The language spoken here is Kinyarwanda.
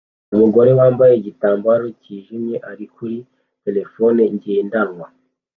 Umugore wambaye igitambaro cyijimye ari kuri terefone ngendanwa